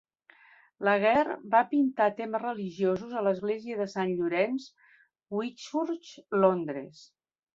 Laguerre va pintar temes religiosos a l'Església de Sant Llorenç, Whitchurch, Londres.